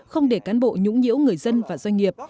không để cán bộ nhũng nhiễu người dân và doanh nghiệp